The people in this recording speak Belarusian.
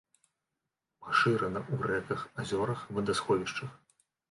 Пашырана ў рэках, азёрах, вадасховішчах.